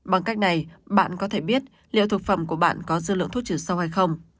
bằng cách này bạn có thể biết liệu thực phẩm của bạn có dư lượng thuốc trừ sâu hay không